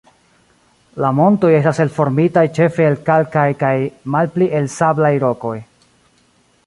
La montoj estas elformitaj ĉefe el kalkaj kaj malpli el sablaj rokoj.